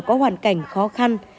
có hoàn cảnh khó khăn